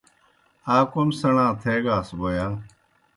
آ کوْم سیْݨا تھیگاس بوْ یا